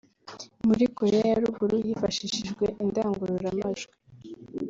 muri Koreya ya ruguru hifashsishijwe indangururamajwi